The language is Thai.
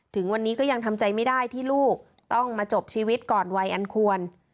ถึงวันนี้ก็ยังทำใจไม่ได้ที่ลูกต้องมาจบชีวิตก่อนวัยอันควร